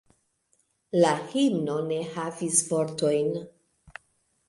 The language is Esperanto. La himno ne havis vortojn.